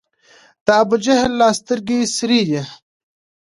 د ابوجهل لا سترګي سرې دي